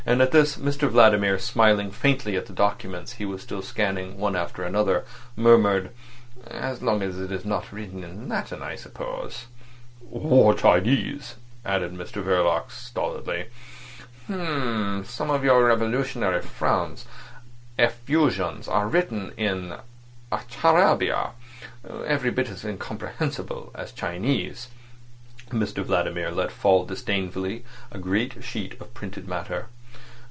At this Mr Vladimir, smiling faintly at the documents he was still scanning one after another, murmured "As long as it is not written in Latin, I suppose." "Or Chinese," added Mr Verloc stolidly. "H'm. Some of your revolutionary friends' effusions are written in a charabia every bit as incomprehensible as Chinese—" Mr Vladimir let fall disdainfully a grey sheet of printed matter.